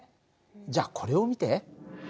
じゃあこれを見て。